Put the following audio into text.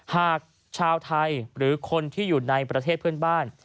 หากชาวไทยหรือคนที่อยู่ในประเทศเพื่อนบ้าน